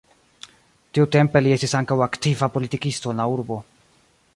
Tiutempe li estis ankaŭ aktiva politikisto en la urbo.